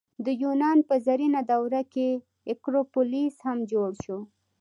د یونان په زرینه دوره کې اکروپولیس هم جوړ شو.